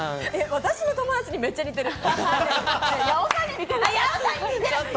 私の友達にめっちゃ似てる。